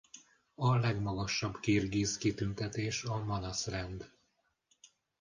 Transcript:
A legmagasabb kirgiz kitüntetés a Manasz Rend.